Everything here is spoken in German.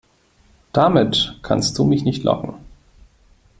Damit kannst du mich nicht locken.